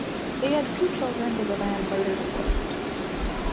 They had two children together and later divorced.